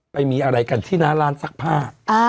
ไปมีอะไรกันที่หน้าร้านซักผ้า